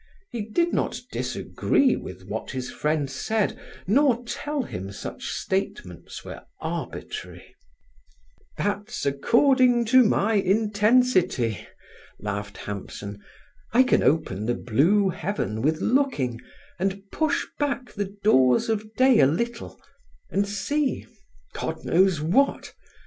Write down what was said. He did not disagree with what his friend said, nor tell him such statements were arbitrary. "That's according to my intensity," laughed Hampson. "I can open the blue heaven with looking, and push back the doors of day a little, and see—God knows what!